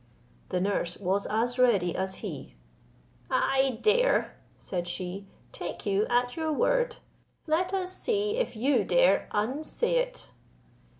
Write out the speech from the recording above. The nurse was as ready as he; "I dare," said she, "take you at your word: let us see if you dare unsay it."